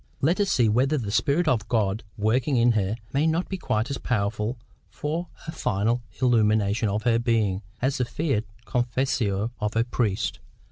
Let us see whether the Spirit of God working in her may not be quite as powerful for a final illumination of her being as the fiat confessio of a priest.